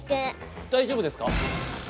大丈夫ですか？